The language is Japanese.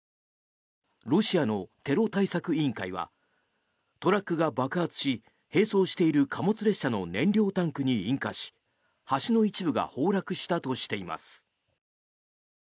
ロシアのテロ対策委員会はトラックが爆発し並走している貨物列車の燃料タンクに引火し橋の一部が崩落したとしています。